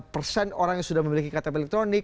persen orang yang sudah memiliki ktp elektronik